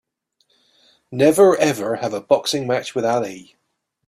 Never ever have a boxing match with Ali!